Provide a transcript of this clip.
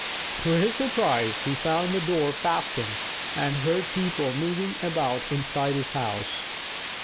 To his surprise, he found the door fastened and heard people moving about inside his house.